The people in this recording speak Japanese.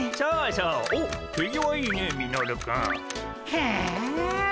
へえ。